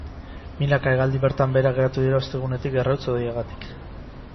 Milaka hegaldi bertan behera geratu dira ostegunetik errauts hodeiagatik.